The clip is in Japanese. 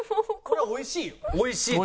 これはおいしいよ。